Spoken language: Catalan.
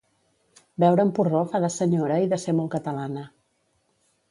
Beure amb porró fa de senyora i de ser molt catalana.